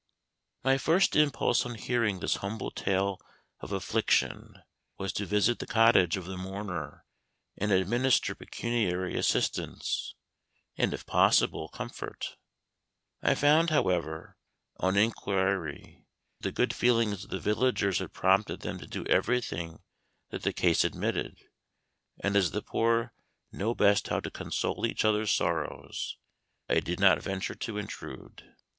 My first impulse on hearing this humble tale of affliction was to visit the cottage of the mourner, and administer pecuniary assistance, and, if possible, comfort. I found, however, on inquiry, that the good feelings of the villagers had prompted them to do everything that the case admitted; and as the poor know best how to console each other's sorrows, I did not venture to intrude.